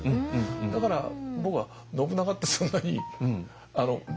だから僕は信長ってそんなになるほど！